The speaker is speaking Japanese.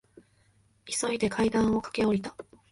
急いで階段を駆け下りた。